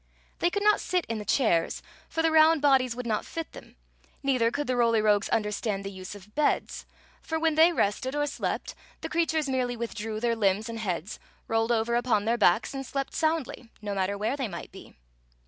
They could not sit in the chairs, for the round bodies would not fit them; neither cor'^ the Roly Rogues understand the use of beds. For when they rested or slept the creatures merely withdrew their limbs and heads, rolled over upon their backs, and slept soundly— no matter where they might be.